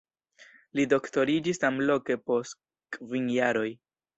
Li doktoriĝis samloke post kvin jaroj.